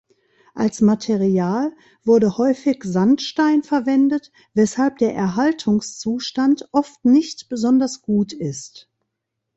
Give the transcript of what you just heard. Als Material wurde häufig Sandstein verwendet, weshalb der Erhaltungszustand oft nicht besonders gut ist.